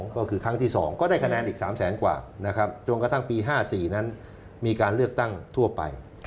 ก็คือครั้งที่๒ก็ได้คะแนนอีก๓แสนกว่านะครับจนกระทั่งปี๕๔นั้นมีการเลือกตั้งทั่วไป